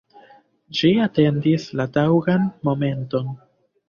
Ŝi atendis la taŭgan momenton.